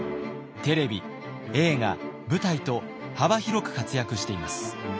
テレビ映画舞台と幅広く活躍しています。